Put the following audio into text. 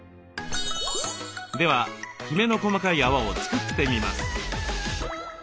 ではきめの細かい泡を作ってみます。